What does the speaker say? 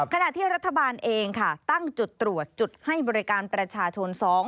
ขณะที่รัฐบาลเองค่ะตั้งจุดตรวจจุดให้บริการประชาชน๒